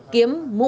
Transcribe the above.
kiếm bình xịt cây